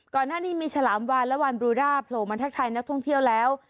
ก่อนหน้านี้มีฉลามวานและวานบรูด้าโผล่มาทักทายนักท่องเที่ยวแล้ว